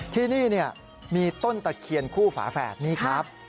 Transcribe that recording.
ที่นี่มีต้นตะเคียนคู่ฝาแฝดนี่ครับ